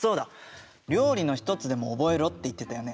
料理の一つでも覚えろって言ってたよね？